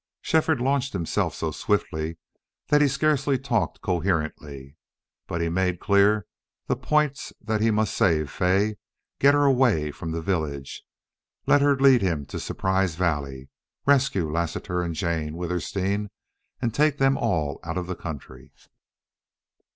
Shefford launched himself so swiftly that he scarcely talked coherently. But he made clear the points that he must save Fay, get her away from the village, let her lead him to Surprise Valley, rescue Lassiter and Jane Withersteen, and take them all out of the country.